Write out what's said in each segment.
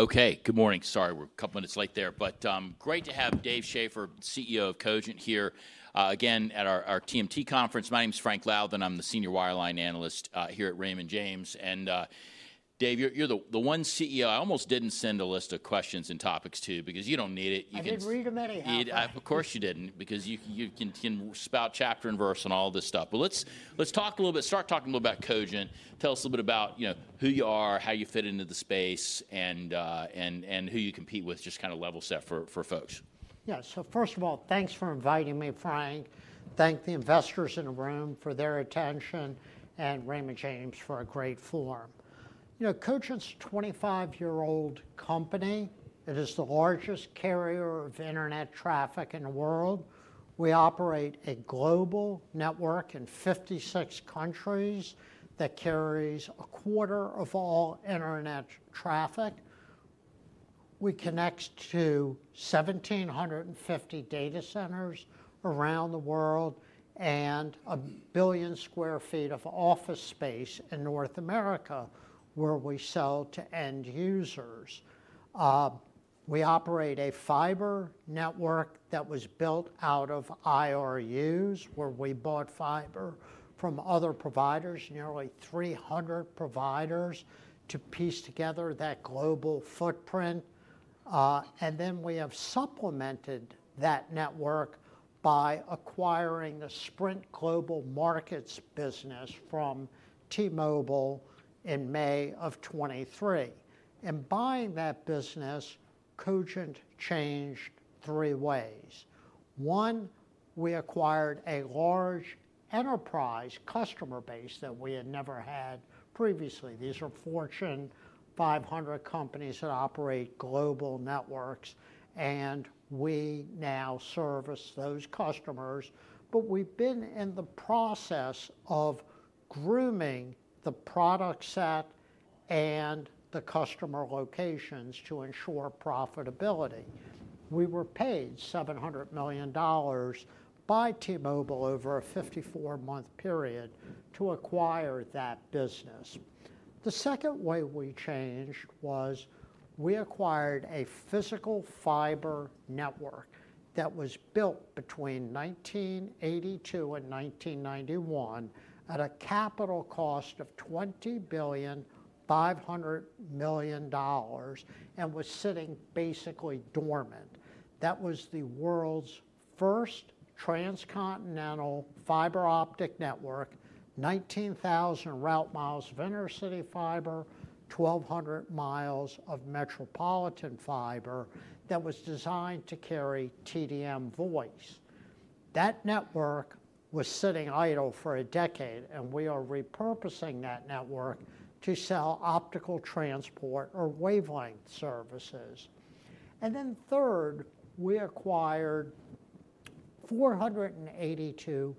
Okay, good morning. Sorry, we're a couple minutes late there, but great to have Dave Schaeffer, CEO of Cogent, here again at our TMT conference. My name is Frank Louthan, and I'm the Senior Wireline Analyst here at Raymond James. And Dave, you're the one CEO I almost didn't send a list of questions and topics to, because you don't need it. I didn't read them anyhow. Of course you didn't, because you can spout chapter and verse on all this stuff. But let's talk a little bit, start talking a little bit about Cogent. Tell us a little bit about who you are, how you fit into the space, and who you compete with, just kind of level set for folks. Yeah, so first of all, thanks for inviting me, Frank. Thank the investors in the room for their attention, and Raymond James for a great forum. Cogent's a 25-year-old company. It is the largest carrier of internet traffic in the world. We operate a global network in 56 countries that carries a quarter of all internet traffic. We connect to 1,750 data centers around the world and a billion sq ft of office space in North America where we sell to end users. We operate a fiber network that was built out of IRUs, where we bought fiber from other providers, nearly 300 providers, to piece together that global footprint. And then we have supplemented that network by acquiring the Sprint Global Markets business from T-Mobile in May of 2023. In buying that business, Cogent changed three ways. One, we acquired a large enterprise customer base that we had never had previously. These are Fortune 500 companies that operate global networks, and we now service those customers. But we've been in the process of grooming the product set and the customer locations to ensure profitability. We were paid $700 million by T-Mobile over a 54-month period to acquire that business. The second way we changed was we acquired a physical fiber network that was built between 1982 and 1991 at a capital cost of $20 billion, $500 million, and was sitting basically dormant. That was the world's first transcontinental fiber optic network, 19,000 route miles of intercity fiber, 1,200 miles of metropolitan fiber that was designed to carry TDM voice. That network was sitting idle for a decade, and we are repurposing that network to sell optical transport or wavelength services. And then third, we acquired 482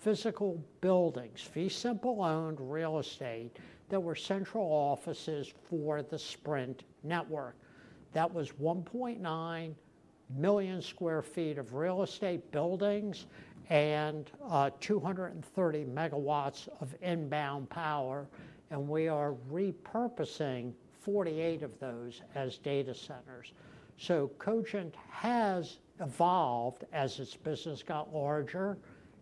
physical buildings, fee simple-owned real estate, that were central offices for the Sprint network. That was 1.9 million sq ft of real estate buildings and 230 megawatts of inbound power. And we are repurposing 48 of those as data centers. So Cogent has evolved as its business got larger,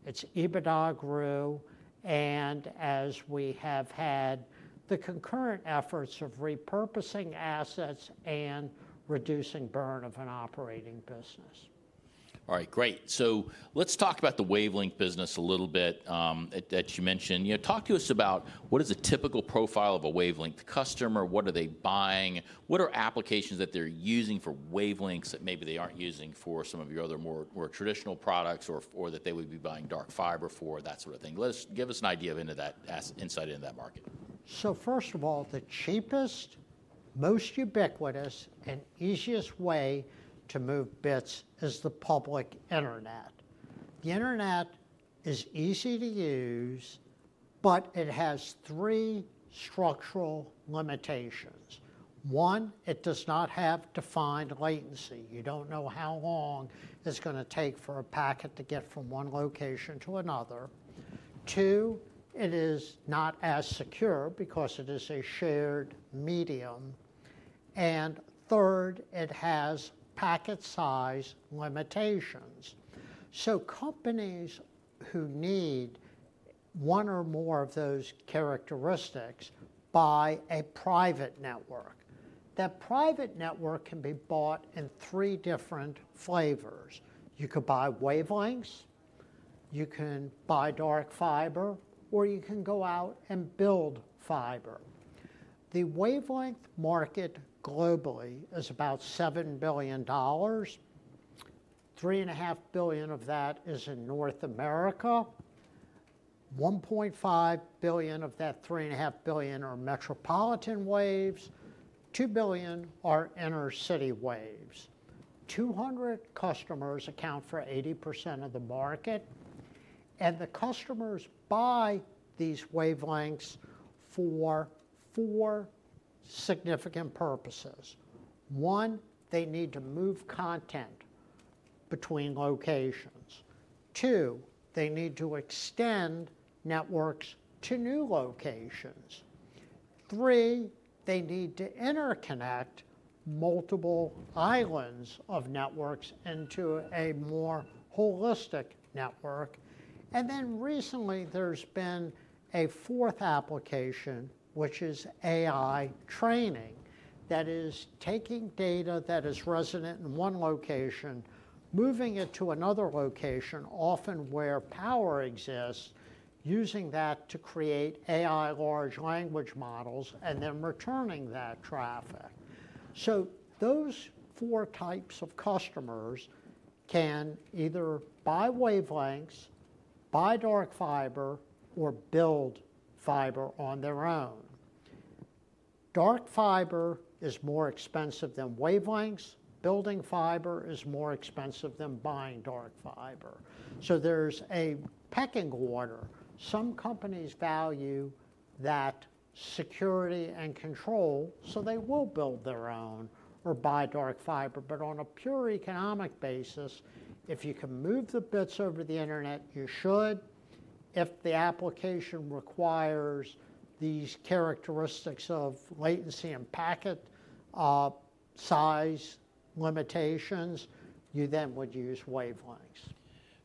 its EBITDA grew, and as we have had the concurrent efforts of repurposing assets and reducing burn of an operating business. All right, great. So let's talk about the wavelength business a little bit that you mentioned. Talk to us about what is a typical profile of a wavelength customer, what are they buying, what are applications that they're using for wavelengths that maybe they aren't using for some of your other more traditional products, or that they would be buying dark fiber for, that sort of thing. Give us an idea of insight into that market. So first of all, the cheapest, most ubiquitous, and easiest way to move bits is the public internet. The internet is easy to use, but it has three structural limitations. One, it does not have defined latency. You don't know how long it's going to take for a packet to get from one location to another. Two, it is not as secure because it is a shared medium. And third, it has packet size limitations. So companies who need one or more of those characteristics buy a private network. That private network can be bought in three different flavors. You could buy wavelengths, you can buy dark fiber, or you can go out and build fiber. The wavelength market globally is about $7 billion. $3.5 billion of that is in North America. $1.5 billion of that $3.5 billion are metropolitan waves. $2 billion are intercity waves. 200 customers account for 80% of the market. And the customers buy these wavelengths for four significant purposes. One, they need to move content between locations. Two, they need to extend networks to new locations. Three, they need to interconnect multiple islands of networks into a more holistic network. And then recently, there's been a fourth application, which is AI training, that is taking data that is resident in one location, moving it to another location, often where power exists, using that to create AI large language models and then returning that traffic. So those four types of customers can either buy wavelengths, buy dark fiber, or build fiber on their own. Dark fiber is more expensive than wavelengths. Building fiber is more expensive than buying dark fiber. So there's a pecking order. Some companies value that security and control, so they will build their own or buy dark fiber. But on a pure economic basis, if you can move the bits over the internet, you should. If the application requires these characteristics of latency and packet size limitations, you then would use wavelengths.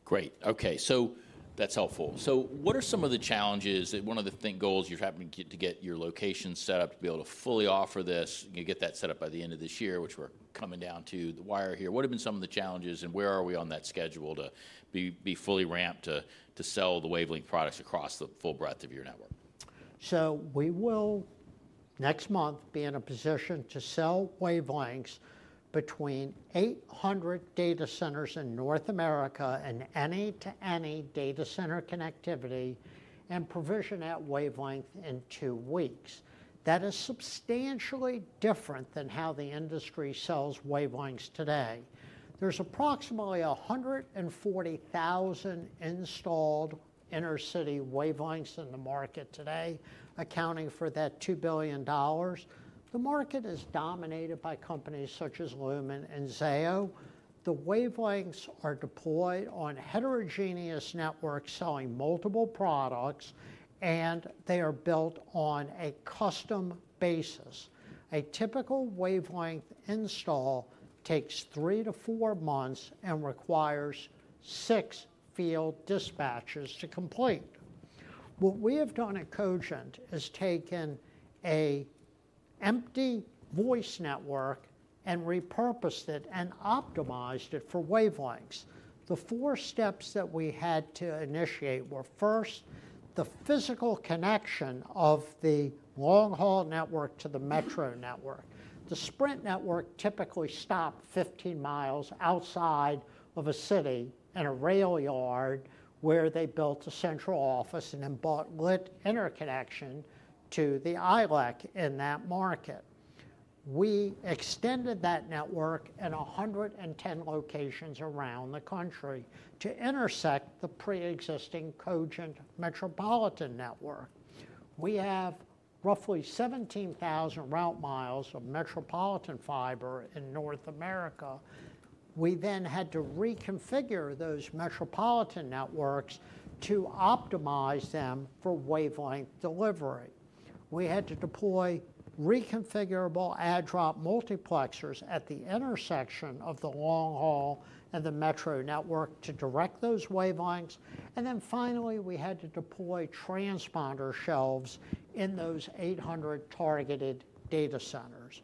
Great. Okay, so that's helpful. So what are some of the challenges? One of the goals you're having to get your locations set up to be able to fully offer this, get that set up by the end of this year, which we're coming down to the wire here. What have been some of the challenges, and where are we on that schedule to be fully ramped to sell the wavelength products across the full breadth of your network? We will next month be in a position to sell wavelengths between 800 data centers in North America and any-to-any data center connectivity and provision that wavelength in two weeks. That is substantially different than how the industry sells wavelengths today. There's approximately 140,000 installed intercity wavelengths in the market today, accounting for that $2 billion. The market is dominated by companies such as Lumen and Zayo. The wavelengths are deployed on heterogeneous networks selling multiple products, and they are built on a custom basis. A typical wavelength install takes three to four months and requires six field dispatches to complete. What we have done at Cogent is taken an empty voice network and repurposed it and optimized it for wavelengths. The four steps that we had to initiate were first, the physical connection of the long-haul network to the metro network. The Sprint network typically stopped 15 miles outside of a city in a rail yard where they built a central office and then bought lit interconnection to the ILEC in that market. We extended that network in 110 locations around the country to intersect the pre-existing Cogent metropolitan network. We have roughly 17,000 route miles of metropolitan fiber in North America. We then had to reconfigure those metropolitan networks to optimize them for wavelength delivery. We had to deploy reconfigurable add/drop multiplexers at the intersection of the long-haul and the metro network to direct those wavelengths. And then finally, we had to deploy transponder shelves in those 800 targeted data centers.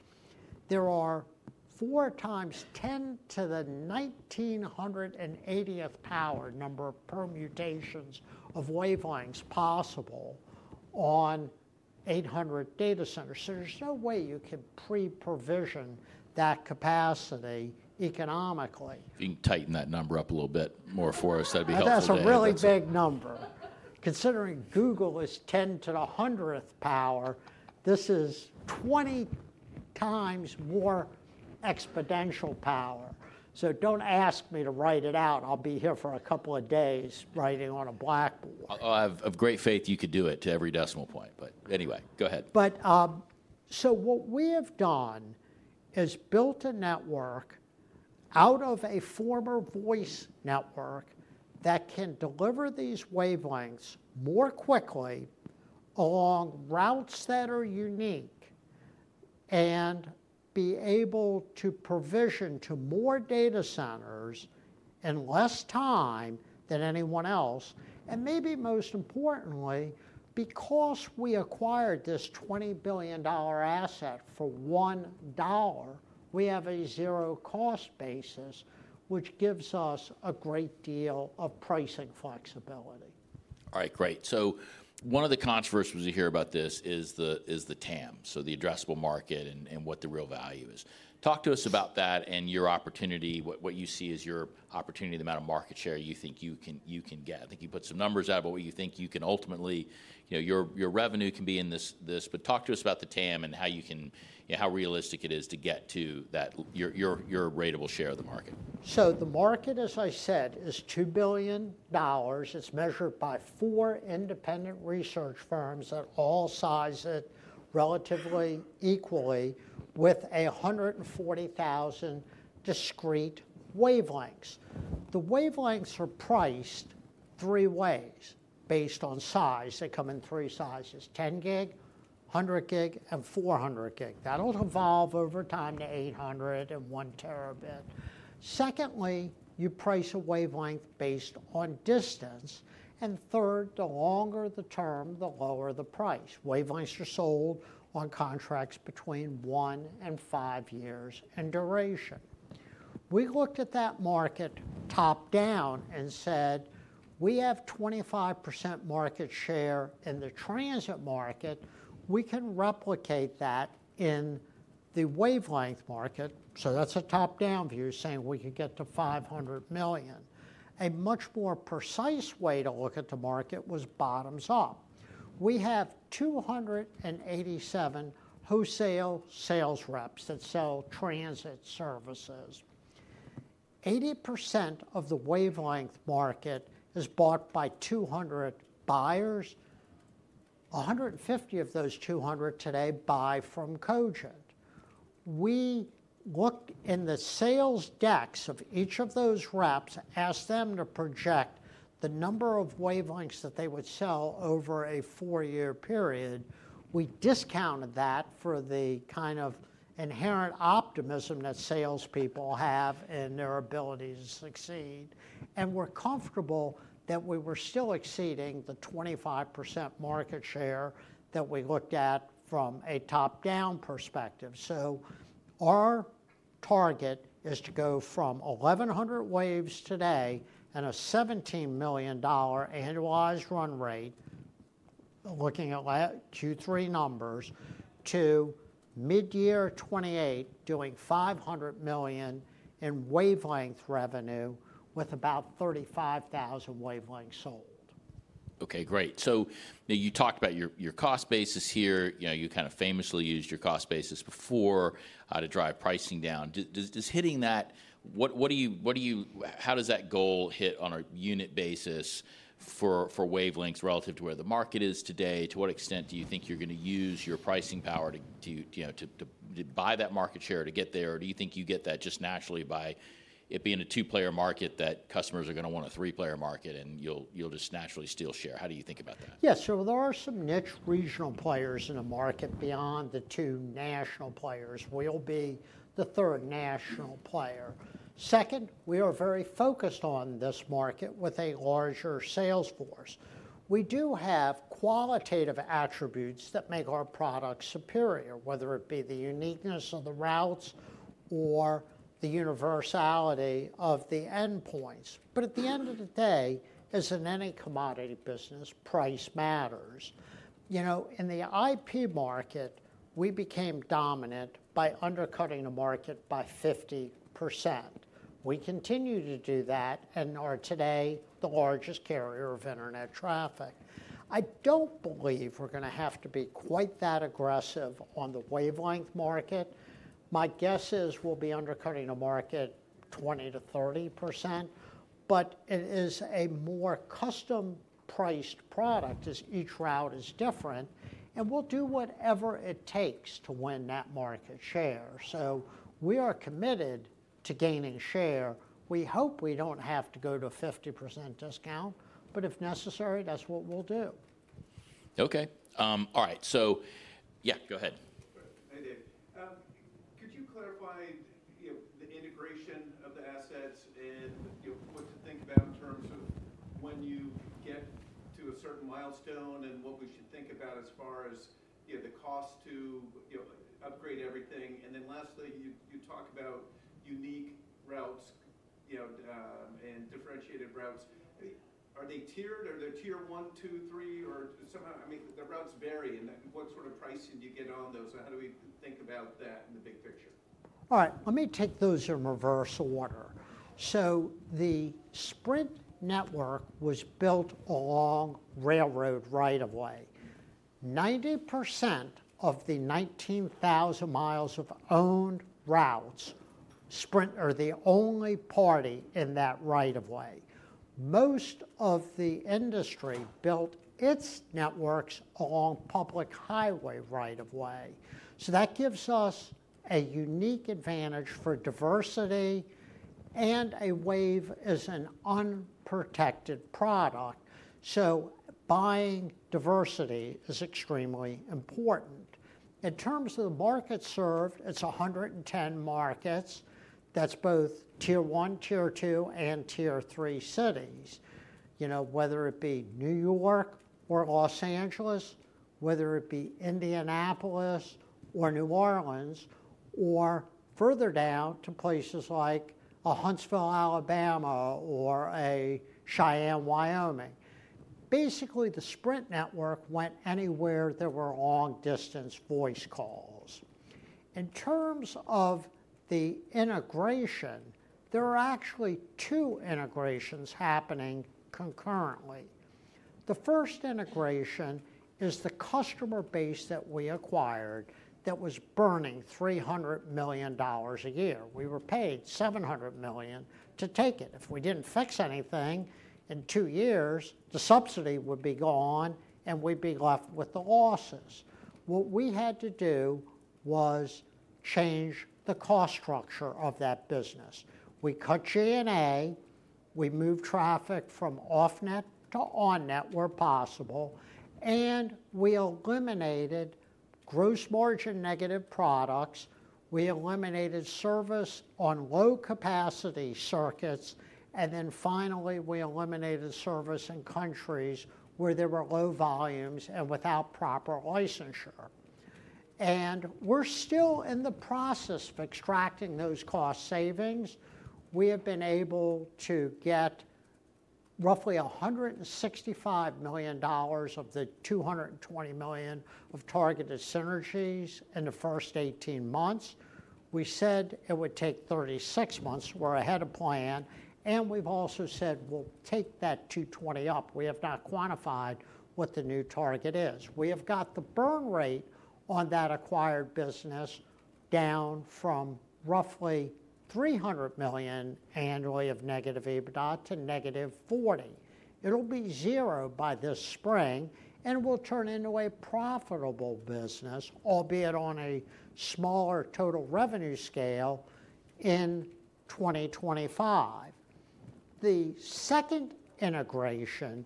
There are 4 times 10 to the 1980th power number of permutations of wavelengths possible on 800 data centers. So there's no way you can pre-provision that capacity economically. If you can tighten that number up a little bit more for us, that'd be helpful. That's a really big number. Considering Google is 10 to the 100th power, this is 20 times more exponential power. So don't ask me to write it out. I'll be here for a couple of days writing on a blackboard. Of great faith, you could do it to every decimal point, but anyway, go ahead. So what we have done is built a network out of a former voice network that can deliver these wavelengths more quickly along routes that are unique and be able to provision to more data centers in less time than anyone else. And maybe most importantly, because we acquired this $20 billion asset for $1, we have a zero cost basis, which gives us a great deal of pricing flexibility. All right, great. So one of the controversies we hear about this is the TAM, so the addressable market and what the real value is. Talk to us about that and your opportunity, what you see as your opportunity, the amount of market share you think you can get. I think you put some numbers out, but what you think you can ultimately, your revenue can be in this. But talk to us about the TAM and how realistic it is to get to your ratable share of the market. The market, as I said, is $2 billion. It's measured by four independent research firms that all size it relatively equally with 140,000 discrete wavelengths. The wavelengths are priced three ways based on size. They come in three sizes: 10 gig, 100 gig, and 400 gig. That'll evolve over time to 800 and 1 terabit. Secondly, you price a wavelength based on distance. And third, the longer the term, the lower the price. Wavelengths are sold on contracts between one and five years in duration. We looked at that market top down and said, we have 25% market share in the transit market. We can replicate that in the wavelength market. That's a top down view saying we can get to $500 million. A much more precise way to look at the market was bottoms up. We have 287 wholesale sales reps that sell transit services. 80% of the wavelength market is bought by 200 buyers. 150 of those 200 today buy from Cogent. We looked in the sales decks of each of those reps, asked them to project the number of wavelengths that they would sell over a four-year period. We discounted that for the kind of inherent optimism that salespeople have in their ability to succeed. And we're comfortable that we were still exceeding the 25% market share that we looked at from a top down perspective. So our target is to go from 1,100 waves today and a $17 million annualized run rate, looking at Q3 numbers, to mid-year 2028 doing $500 million in wavelength revenue with about 35,000 wavelengths sold. Okay, great. So you talked about your cost basis here. You kind of famously used your cost basis before to drive pricing down. Does hitting that? How does that goal hit on a unit basis for wavelengths relative to where the market is today? To what extent do you think you're going to use your pricing power to buy that market share to get there? Or do you think you get that just naturally by it being a two-player market that customers are going to want a three-player market and you'll just naturally steal share? How do you think about that? Yes, so there are some niche regional players in the market beyond the two national players. We'll be the third national player. Second, we are very focused on this market with a larger sales force. We do have qualitative attributes that make our product superior, whether it be the uniqueness of the routes or the universality of the endpoints. But at the end of the day, as in any commodity business, price matters. In the IP market, we became dominant by undercutting the market by 50%. We continue to do that and are today the largest carrier of internet traffic. I don't believe we're going to have to be quite that aggressive on the wavelength market. My guess is we'll be undercutting the market 20%-30%, but it is a more custom priced product as each route is different. We'll do whatever it takes to win that market share. We are committed to gaining share. We hope we don't have to go to a 50% discount, but if necessary, that's what we'll do. Okay. All right. So yeah, go ahead. Hey, David. Could you clarify the integration of the assets and what to think about in terms of when you get to a certain milestone and what we should think about as far as the cost to upgrade everything? And then lastly, you talk about unique routes and differentiated routes. Are they tiered? Are they tier one, two, three, or somehow? I mean, the routes vary. And what sort of pricing do you get on those? And how do we think about that in the big picture? All right. Let me take those in reverse order. So the Sprint network was built along railroad right of way. 90% of the 19,000 miles of owned routes Sprint are the only party in that right of way. Most of the industry built its networks along public highway right of way. So that gives us a unique advantage for diversity, and a wavelength is an unprotected product. So buying diversity is extremely important. In terms of the market served, it's 110 markets. That's both tier one, tier two, and tier three cities, whether it be New York or Los Angeles, whether it be Indianapolis or New Orleans, or further down to places like Huntsville, Alabama, or Cheyenne, Wyoming. Basically, the Sprint network went anywhere that were long distance voice calls. In terms of the integration, there are actually two integrations happening concurrently. The first integration is the customer base that we acquired that was burning $300 million a year. We were paid $700 million to take it. If we didn't fix anything in two years, the subsidy would be gone and we'd be left with the losses. What we had to do was change the cost structure of that business. We cut G&A. We moved traffic from off-net to on-net where possible, and we eliminated gross margin negative products. We eliminated service on low capacity circuits, and then finally we eliminated service in countries where there were low volumes and without proper licensure, and we're still in the process of extracting those cost savings. We have been able to get roughly $165 million of the $220 million of targeted synergies in the first 18 months. We said it would take 36 months. We're ahead of plan. And we've also said we'll take that 220 up. We have not quantified what the new target is. We have got the burn rate on that acquired business down from roughly $300 million annually of negative EBITDA to negative $40. It'll be zero by this spring, and it will turn into a profitable business, albeit on a smaller total revenue scale in 2025. The second integration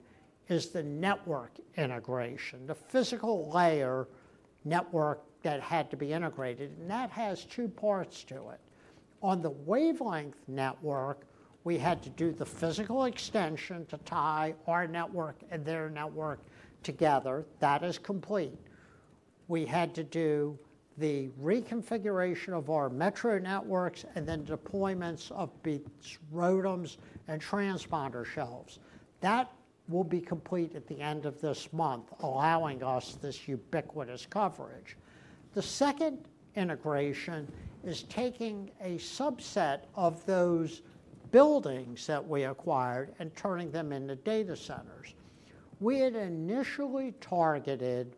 is the network integration, the physical layer network that had to be integrated, and that has two parts to it. On the wavelength network, we had to do the physical extension to tie our network and their network together. That is complete. We had to do the reconfiguration of our metro networks and then deployments of bays, ROADMs, and transponder shelves. That will be complete at the end of this month, allowing us this ubiquitous coverage. The second integration is taking a subset of those buildings that we acquired and turning them into data centers. We had initially targeted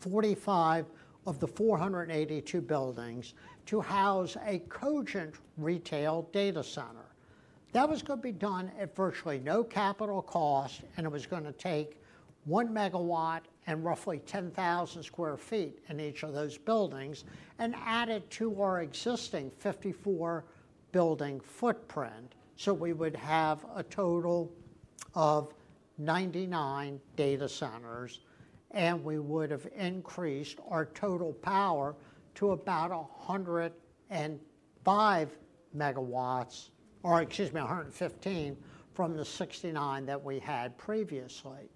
45 of the 482 buildings to house a Cogent retail data center. That was going to be done at virtually no capital cost, and it was going to take one megawatt and roughly 10,000 sq ft in each of those buildings and add it to our existing 54-building footprint, so we would have a total of 99 data centers, and we would have increased our total power to about 105 megawatts, or excuse me, 115 from the 69 that we had previously.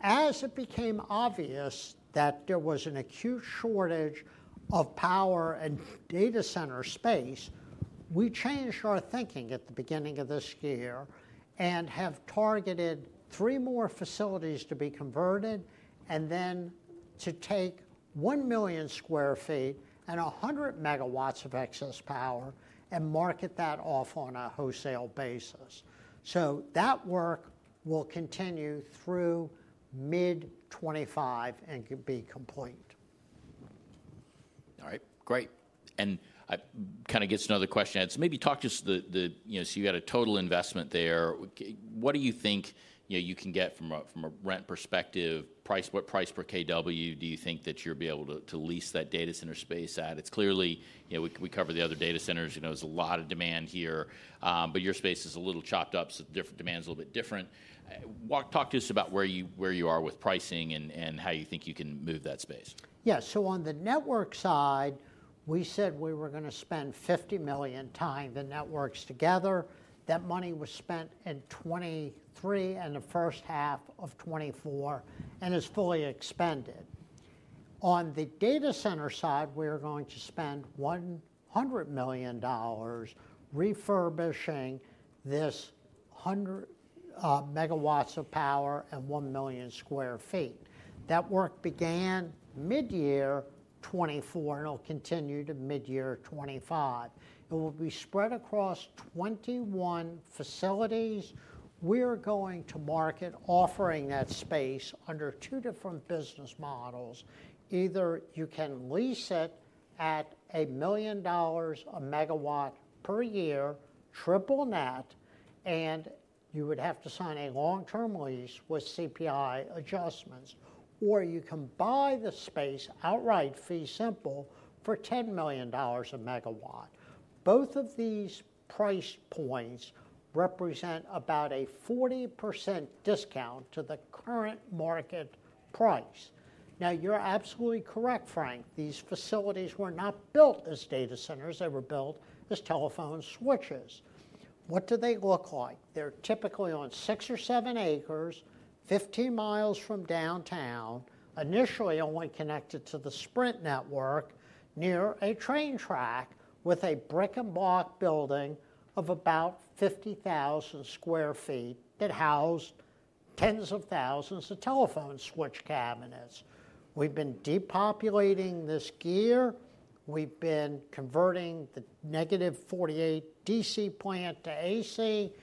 As it became obvious that there was an acute shortage of power and data center space, we changed our thinking at the beginning of this year and have targeted three more facilities to be converted and then to take one million sq ft and 100 megawatts of excess power and market that off on a wholesale basis. So that work will continue through mid-2025 and be complete. All right, great. And that kind of gets to another question. So maybe talk to us, so you got a total investment there. What do you think you can get from a rent perspective? What price per kW do you think that you'll be able to lease that data center space at? It's clear. We cover the other data centers. There's a lot of demand here, but your space is a little chopped up, so the demand is a little bit different. Talk to us about where you are with pricing and how you think you can move that space. Yeah, so on the network side, we said we were going to spend $50 million tying the networks together. That money was spent in 2023 and the first half of 2024 and is fully expended. On the data center side, we are going to spend $100 million refurbishing this 100 megawatts of power and 1 million sq ft. That work began mid-year 2024 and will continue to mid-year 2025. It will be spread across 21 facilities. We are going to market offering that space under two different business models. Either you can lease it at $1 million a megawatt per year, triple net, and you would have to sign a long-term lease with CPI adjustments, or you can buy the space outright, fee simple, for $10 million a megawatt. Both of these price points represent about a 40% discount to the current market price. Now, you're absolutely correct, Frank. These facilities were not built as data centers. They were built as telephone switches. What do they look like? They're typically on six or seven acres, 15 miles from downtown, initially only connected to the Sprint network near a train track with a brick-and-mortar building of about 50,000 sq ft that housed tens of thousands of telephone switch cabinets. We've been depopulating this gear. We've been converting the negative 48 DC plant to AC,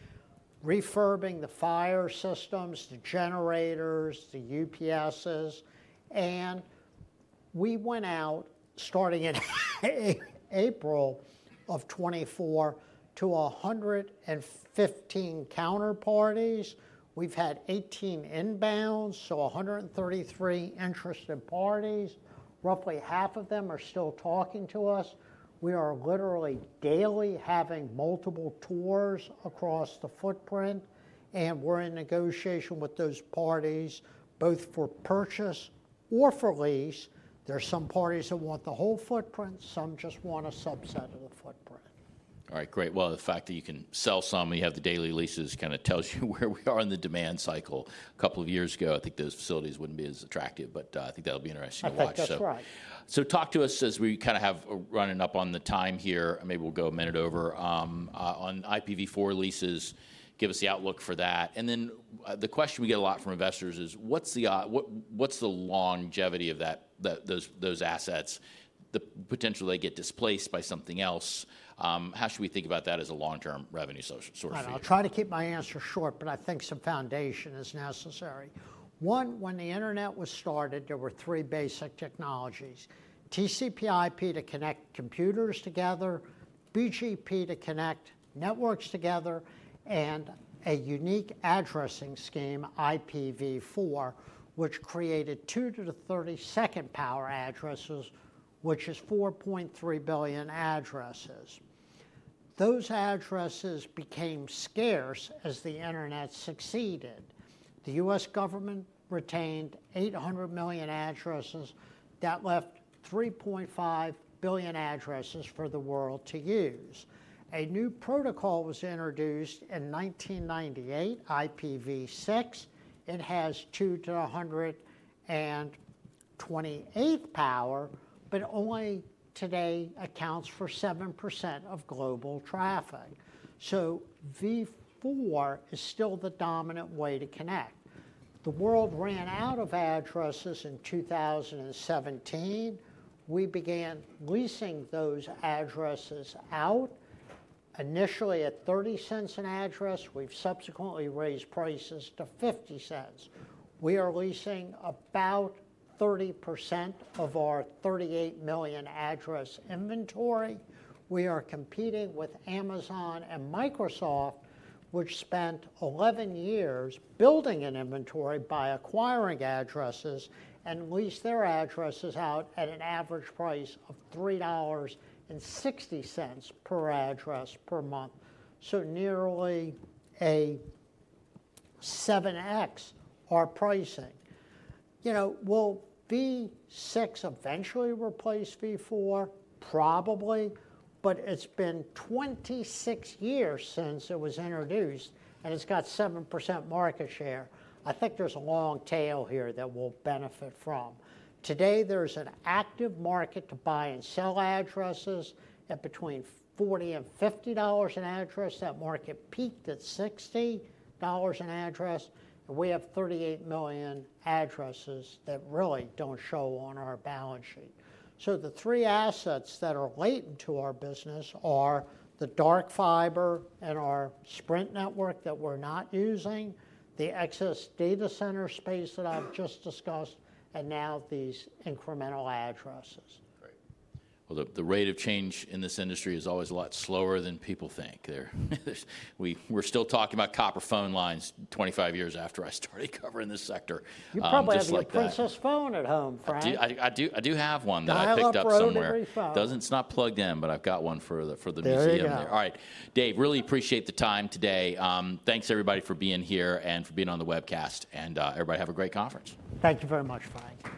refurbishing the fire systems, the generators, the UPSs, and we went out starting in April of 2024 to 115 counterparties. We've had 18 inbounds, so 133 interested parties. Roughly half of them are still talking to us. We are literally daily having multiple tours across the footprint, and we're in negotiation with those parties, both for purchase or for lease. There are some parties who want the whole footprint. Some just want a subset of the footprint. All right, great. Well, the fact that you can sell some, you have the daily leases kind of tells you where we are in the demand cycle. A couple of years ago, I think those facilities wouldn't be as attractive, but I think that'll be an interesting reflection. I think that's right. So talk to us as we kind of have running up on the time here. Maybe we'll go a minute over on IPv4 leases. Give us the outlook for that. And then the question we get a lot from investors is, what's the longevity of those assets? The potential they get displaced by something else. How should we think about that as a long-term revenue source? I'll try to keep my answer short, but I think some foundation is necessary. One, when the internet was started, there were three basic technologies: TCP/IP to connect computers together, BGP to connect networks together, and a unique addressing scheme, IPv4, which created 2 to the 32nd power addresses, which is 4.3 billion addresses. Those addresses became scarce as the internet succeeded. The US government retained 800 million addresses. That left 3.5 billion addresses for the world to use. A new protocol was introduced in 1998, IPv6. It has 2 to the 128th power, but only today accounts for 7% of global traffic. So V4 is still the dominant way to connect. The world ran out of addresses in 2017. We began leasing those addresses out. Initially at $0.30 an address, we've subsequently raised prices to $0.50. We are leasing about 30% of our 38 million address inventory. We are competing with Amazon and Microsoft, which spent 11 years building an inventory by acquiring addresses and leased their addresses out at an average price of $3.60 per address per month. So nearly a 7x our pricing. Will IPv6 eventually replace IPv4? Probably, but it's been 26 years since it was introduced, and it's got 7% market share. I think there's a long tail here that we'll benefit from. Today, there's an active market to buy and sell addresses at between $40 and $50 an address. That market peaked at $60 an address. We have 38 million addresses that really don't show on our balance sheet. So the three assets that are latent to our business are the dark fiber and our Sprint network that we're not using, the excess data center space that I've just discussed, and now these incremental addresses. Great. Well, the rate of change in this industry is always a lot slower than people think. We're still talking about copper phone lines 25 years after I started covering this sector. You probably have the Princess phone at home, Frank. I do have one that I picked up somewhere. It's not plugged in, but I've got one for the museum. All right, Dave, really appreciate the time today. Thanks, everybody, for being here and for being on the webcast. And everybody, have a great conference. Thank you very much, Frank.